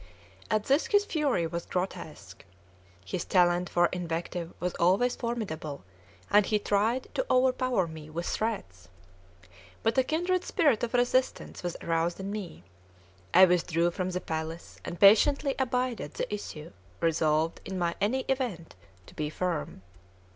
At this his fury was grotesque. His talent for invective was always formidable, and he tried to overpower me with threats. But a kindred spirit of resistance was aroused in me. I withdrew from the palace, and patiently abided the issue, resolved, in any event, to be firm.